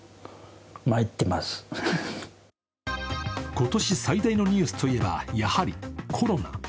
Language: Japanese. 今年最大のニュースといえばやはりコロナ。